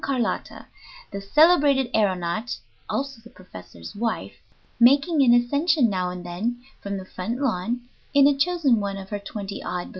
Carlotta, the celebrated aëronaut (also the professor's wife), making an ascension now and then from the front lawn in a chosen one of her twenty odd balloons.